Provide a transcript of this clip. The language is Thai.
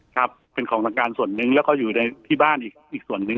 ครับเป็นของทางการส่วนหนึ่งแล้วก็อยู่ในที่บ้านอีกส่วนหนึ่ง